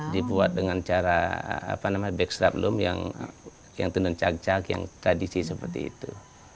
dibuat dengan cara backstab loom yang tenuncak cak yang tradisi seperti itu